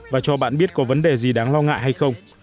và cho bạn biết có vấn đề gì đáng lo ngại hay không